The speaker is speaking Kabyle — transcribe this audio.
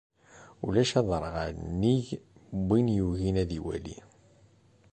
Ulac aderɣal nnig n win yugin ad iwali.